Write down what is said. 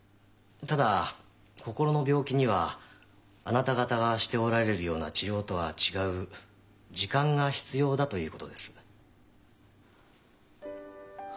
ただ心の病気にはあなた方がしておられるような治療とは違う時間が必要だということです。